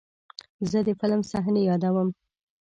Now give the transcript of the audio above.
زه د فلم صحنې یادوم.